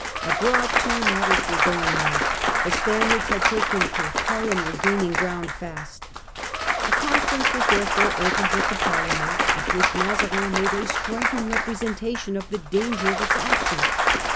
Abroad, too, matters were going ill : the Spaniards had taken Courtrai, and were gaining ground fast. A conference was therefore 1648. Chamber of St. Louis. 27 opened with the Parle went, at which Mazarin made a striking representation of the danger of its action.